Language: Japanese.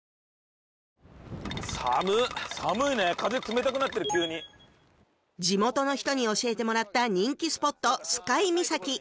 寒寒いね風冷たくなってる急に地元の人に教えてもらった人気スポット「澄海岬」